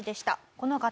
この方。